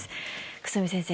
久住先生